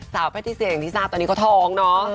สาวพาติเซียอย่างที่ทราบตอนนี้ก็ทองน้อ